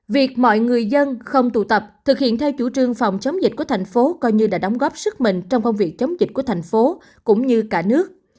việc mọi người dân không tụ tập thực hiện theo chủ trương phòng chống dịch của thành phố coi như đã đóng góp sức mình trong công việc chống dịch của thành phố cũng như cả nước